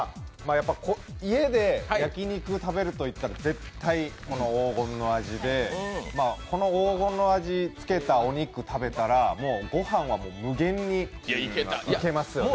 家で焼き肉食べるといったら、絶対この黄金の味で、この黄金の味をつけたお肉を食べたら、ご飯は無限にいけますよね。